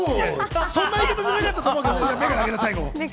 そんな言い方ではなかったと思うけど。